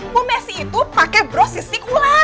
bu messi itu pakai bro sisik ular